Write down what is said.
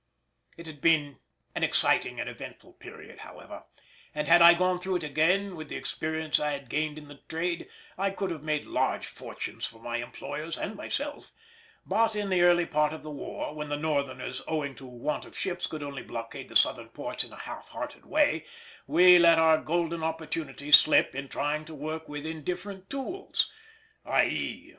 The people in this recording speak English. It had been an exciting and eventful period, however, and had I gone through it again with the experience I had gained in the trade, I could have made large fortunes for my employers and myself; but in the early part of the war, when the Northerners owing to want of ships could only blockade the Southern ports in a half hearted way, we let our golden opportunity slip in trying to work with indifferent tools, _i.e.